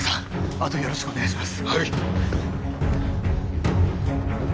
あとよろしくお願いします